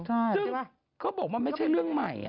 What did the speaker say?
ซึ่งเขาบอกว่าไม่ใช่เรื่องใหม่